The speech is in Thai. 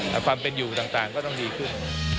แต่ความเป็นอยู่ต่างก็ต้องดีขึ้น